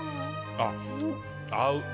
合う。